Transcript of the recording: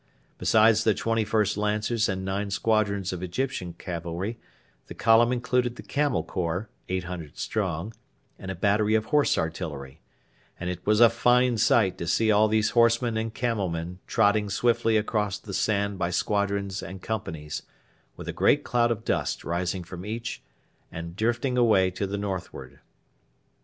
Besides the 21st Lancers and nine squadrons of Egyptian cavalry, the column included the Camel Corps, 800 strong, and a battery of Horse Artillery; and it was a fine sight to see all these horsemen and camel men trotting swiftly across the sand by squadrons and companies, with a great cloud of dust rising from each and drifting away to the northward.